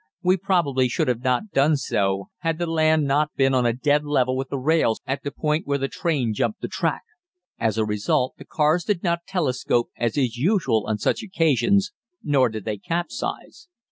We probably should not have done so had the land not been on a dead level with the rails at the point where the train jumped the track. As a result, the cars did not telescope, as is usual on such occasions, nor did they capsize.